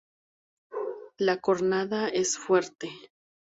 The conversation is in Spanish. La cornada es fuerte.